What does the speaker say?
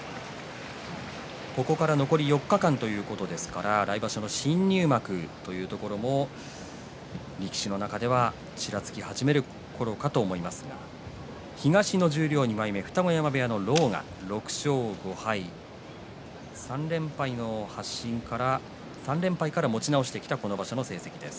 ここから残り４日間来場所の新入幕というところも力士の中ではちらつき始めるころかと思いますが東の十両２枚目二子山部屋の狼雅、６勝５敗３連敗から持ち直してきたこの場所の成績です。